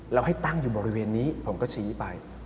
แล้วให้ตั้งอยู่บริเวณนี้ผมก็ชี้ไป